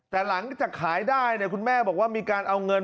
แต่หลังจากขายได้คุณแม่บอกว่ามีการเอาเงิน